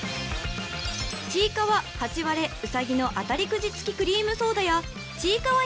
［ちいかわハチワレうさぎのあたりくじ付きクリームソーダやちいかわ